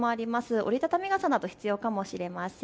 折り畳み傘など必要かもしれません。